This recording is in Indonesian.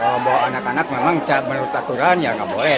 kalau bawa anak anak memang menurut aturan ya nggak boleh